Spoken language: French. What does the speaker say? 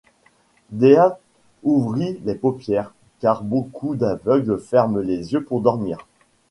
Dea ouvrit les paupières ; car beaucoup d’aveugles ferment les yeux pour dormir.